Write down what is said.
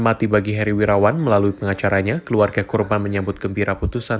mati bagi heri wirawan melalui pengacaranya keluarga korban menyambut gembira putusan